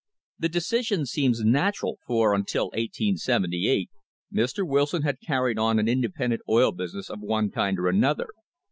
The decision seems natural, for until 1878 Mr. Wilson had carried on an independent oil business of one kind or another.